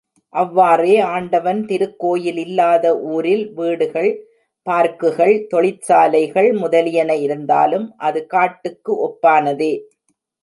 அவ்வாறே ஆண்டவன் திருக்கோயில் இல்லாத ஊரில் வீடுகள், பார்க்குகள், தொழிற்சாலைகள் முதலியன இருந்தாலும் அது காட்டுக்கு ஒப்பானதே.